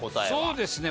そうですね。